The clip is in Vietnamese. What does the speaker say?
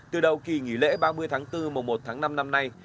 từ đầu kỳ nghỉ lễ ba mươi tháng bốn mùa một tháng năm năm nay